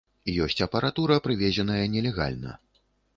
Ёсць апаратура, прывезеная нелегальна.